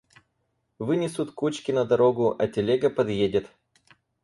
Вынесут кучки на дорогу, а телега подъедет.